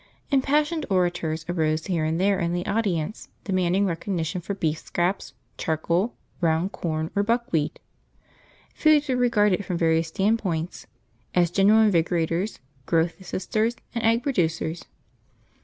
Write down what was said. Impassioned orators arose here and there in the audience demanding recognition for beef scraps, charcoal, round corn or buckwheat. Foods were regarded from various standpoints: as general invigorators, growth assisters, and egg producers.